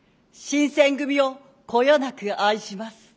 新選組をこよなく愛します。